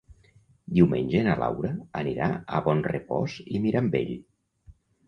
Diumenge na Laura anirà a Bonrepòs i Mirambell.